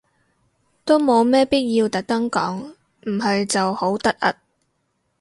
都冇咩必要特登講，唔係就好突兀